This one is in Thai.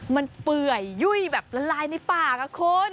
มันเปื่อยยุ่ยแบบละลายในปากอะคุณ